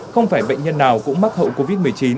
không phải bệnh nhân nào cũng mắc hậu covid một mươi chín